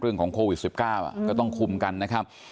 เรื่องของโควิด๑๙ก็ต้องคุมกันนะครับ